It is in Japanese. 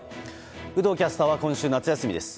有働キャスターは今週、夏休みです。